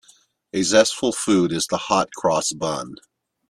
A zestful food is the hot-cross bun.